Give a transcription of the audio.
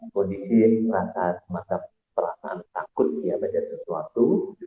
kondisi merasa semata mata takut di hadapan sesuatu